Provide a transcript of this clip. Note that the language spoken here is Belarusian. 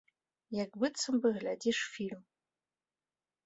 Як быццам бы глядзіш фільм.